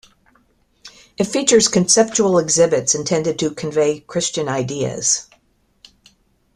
It features conceptual exhibits intended to convey Christian ideas.